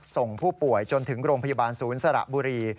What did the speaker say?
ส่งผู้ป่วยจนถึงโรงพยาบาลศูนย์สระบุรี